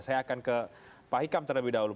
saya akan ke pak hikam terlebih dahulu